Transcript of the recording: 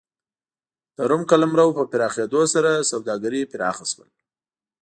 د روم قلمرو په پراخېدو سره سوداګري پراخ شول.